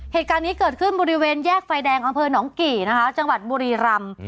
เหตุการณ์นี้เกิดขึ้นบริเวณแยกไฟแดงของของจังหวัดบุรีรำ